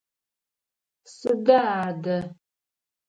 Сыда адэ?